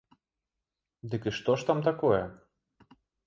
Дык і што ж там такое?